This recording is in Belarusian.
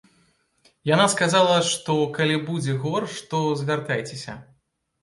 Яна сказала, што калі будзе горш, то звяртайцеся.